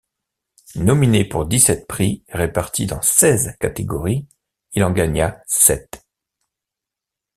Nominé pour dix-sept prix répartis dans seize catégories, il en gagna sept.